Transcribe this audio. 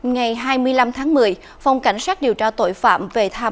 ngày hai mươi năm tháng một mươi phòng cảnh sát điều tra tội phạm về thái lan